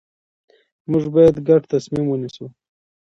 موږ باید ګډ تصمیم ونیسو